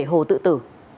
bố tự tử